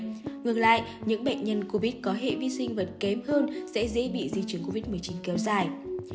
nhưng ngược lại những bệnh nhân covid có hệ vi sinh vật kém hơn sẽ dễ bị di chứng covid một mươi chín kéo dài